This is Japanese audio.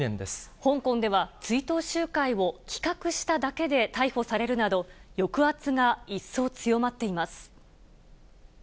香港では、追悼集会を企画しただけで逮捕されるなど、抑圧が一層強まっています。